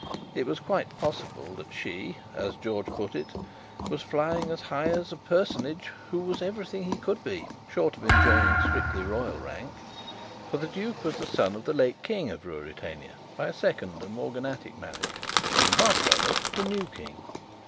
It was quite possible that she, as George put it, was flying as high as a personage who was everything he could be, short of enjoying strictly royal rank: for the duke was the son of the late King of Ruritania by a second and morganatic marriage, and half brother to the new King.